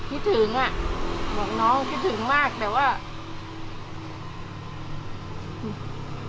คิดถึงอ่ะบอกน้องคิดถึงมากแต่ว่า